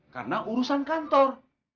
karena urusan kantor